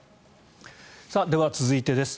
では続いてです。